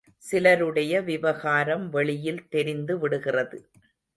சிலருடைய விவகாரம் வெளியில் தெரிந்து விடுகிறது.